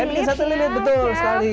kayak bikin satelit betul sekali